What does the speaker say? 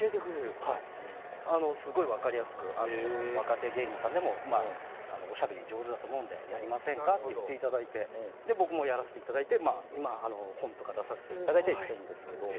すごい分かりやすく若手芸人さんでもおしゃべり上手だと思うのでやりませんかと言っていただいて僕もやらせていただいて今、本とか出させていただいたりしてるんですけど。